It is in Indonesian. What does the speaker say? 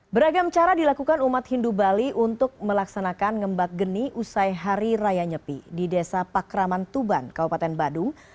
beragam cara dilakukan umat hindu bali untuk melaksanakan ngembak geni usai hari raya nyepi di desa pakraman tuban kabupaten badung